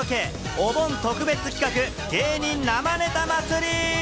お盆特別企画、芸人生ネタ祭！